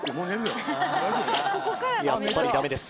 やっぱりダメです